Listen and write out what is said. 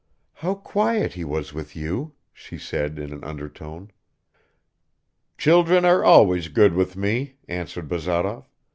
"How quiet he was with you," she said in an undertone. "Children are always good with me," answered Bazarov.